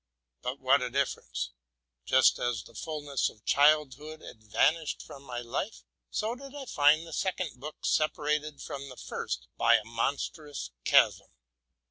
But what a difference! Just as the ful ness of childhood had vanished from my life, so did I find the second book separated from the first by a monstrous chasm.